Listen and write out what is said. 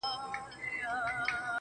o ماته دي د سر په بيه دوه جامه راکړي دي.